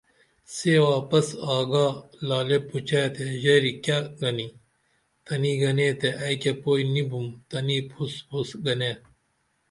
سے واپس آگا لعلے پوچے تے ژری کیہ گنی تہ تنی گنے تے ائی کیہ پوئی نی بوم تنی پھوس پھوس گنے